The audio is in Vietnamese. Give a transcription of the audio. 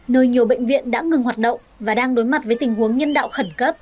nơi nhiều bệnh viện đã ngừng hoạt động và đang đối mặt với tình huống nhân đạo khẩn cấp